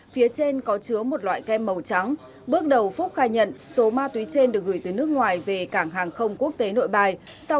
phía trên có chứa một loại kem màu trắng bước đầu phúc khai nhận số ma túy trên được gửi từ nước ngoài về cảng hàng không quốc tế nội bài